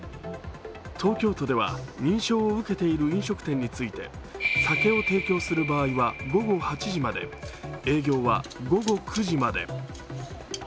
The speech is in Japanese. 東京都では認証を受けている飲食店について、酒を提供する場合は午後８時まで営業は午後９時まで。